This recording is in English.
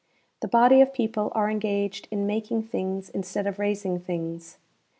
The body of people are engaged in making things instead of raising things.